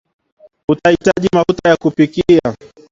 utahitaji mafuta ya kupikia